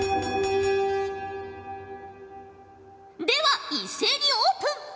では一斉にオープン。